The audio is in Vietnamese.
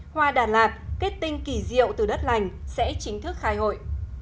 hoa đà lạt kết tinh kỳ diệu từ đất lành sẽ chính thức khai hội